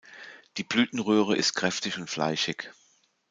Die Blütenröhre ist kräftig und fleischig.